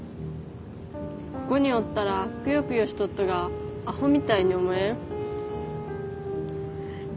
ここにおったらくよくよしとっとがアホみたいに思えん？